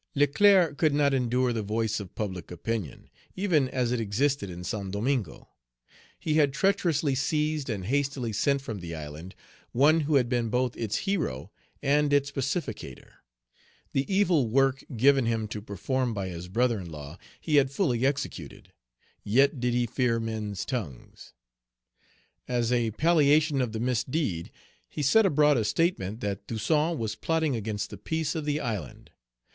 Leclerc could not endure the voice of public opinion, even as it existed in Saint Domingo. He had treacherously seized, and hastily sent from the island, one who had been both its hero and its pacificator. The evil work given him to perform by his brother in law, he had fully executed. Yet did he fear men's tongues. As a palliation of the misdeed, he set abroad a statement that Toussaint was plotting against the peace of the island.